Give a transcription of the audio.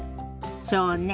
そうね。